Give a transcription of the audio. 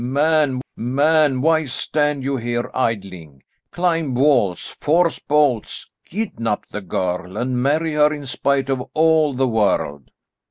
Man, man, why stand you here idling? Climb walls, force bolts, kidnap the girl and marry her in spite of all the world."